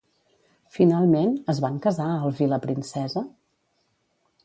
Finalment, es van casar Alf i la princesa?